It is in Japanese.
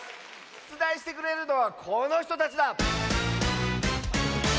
しゅつだいしてくれるのはこのひとたちだ！